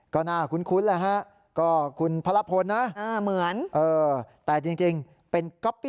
ก็น่าคุ้นแล้วฮะ